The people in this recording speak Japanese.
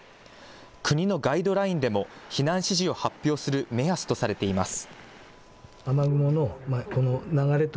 国のガイドラインでも避難指示を発表する目安とされています。